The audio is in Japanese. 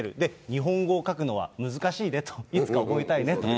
日本語を書くのは難しいね、いつか覚えたいねと。